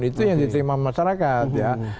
itu yang diterima masyarakat